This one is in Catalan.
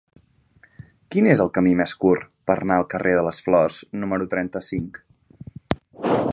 Quin és el camí més curt per anar al carrer de les Flors número trenta-cinc?